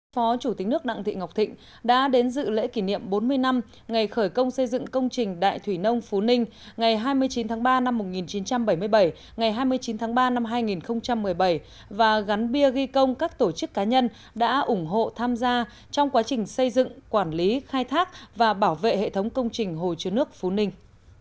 phó chủ tịch nước đặng thị ngọc thịnh đã đến dự lễ kỷ niệm bốn mươi năm ngày khởi công xây dựng công trình đại thủy nông phú ninh ngày hai mươi chín tháng ba năm một nghìn chín trăm bảy mươi bảy ngày hai mươi chín tháng ba năm hai nghìn một mươi bảy và gắn bia ghi công các tổ chức cá nhân đã ủng hộ tham gia trong quá trình xây dựng quản lý khai thác và bảo vệ hệ thống công trình hồ chứa nước phú ninh